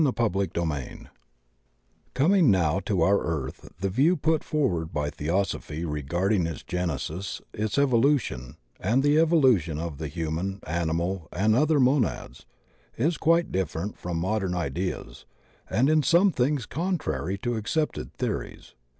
CHAPTER III COMING now to our Earth the view put forward by Theosophy regarding its genesis, its evolution and the evolution of Uie Human, Animal and other Monads, is quite different from modem ideas, and in some things contrary to accepted theories.